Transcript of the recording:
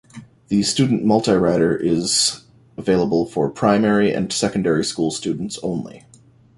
The Student MultiRider is available for primary and secondary school students only.